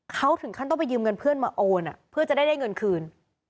เขาถึงขั้นต้องไปยืมเงินเพื่อนมาโอนเพื่อจะได้เงินคืน